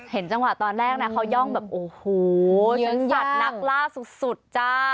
เห็นจังหวะตอนแรกนะเขาย่องแบบโอ้โหฉันหยัดนักล่าสุดจ้า